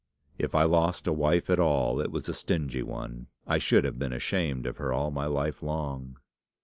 "If I lost a wife at all, it was a stingy one. I should have been ashamed of her all my life long."